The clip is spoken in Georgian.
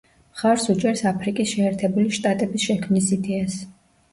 მხარს უჭერს აფრიკის შეერთებული შტატების შექმნის იდეას.